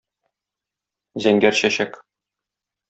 Зәңгәр чәчәк.